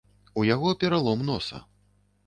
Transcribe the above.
У яго пералом носа.